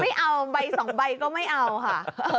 ไม่เอาใบสองใบก็ไม่เอาค่ะ